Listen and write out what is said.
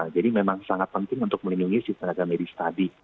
jadi memang sangat penting untuk melindungi si tenaga medis tadi